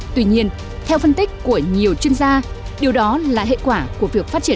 tuy nhiên theo phân tích của nhiều chuyên gia điều đó là hệ quả của việc phát triển